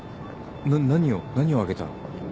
な何を何をあげたら。